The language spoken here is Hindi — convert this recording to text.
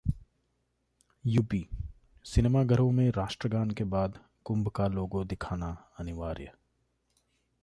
यूपीः सिनेमाघरों में राष्ट्रगान के बाद कुम्भ का लोगो दिखाना अनिवार्य